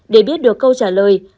để biết được câu trả lời